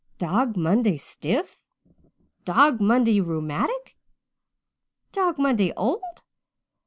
Dog Monday stiff? Dog Monday rheumatic? Dog Monday old?